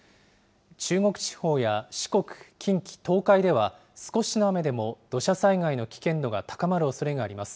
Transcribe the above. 中国地方や四国、近畿、東海では、少しの雨でも土砂災害の危険度が高まるおそれがあります。